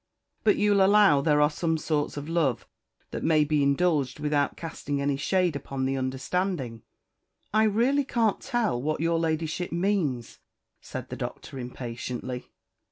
"But you'll allow there are some sorts of love that may be indulged without casting any shade upon the understanding?" "I really can't tell what your Ladyship means," said the Doctor impatiently.